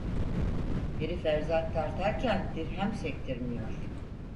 Herif erzak tartarken dirhem sektirmiyor.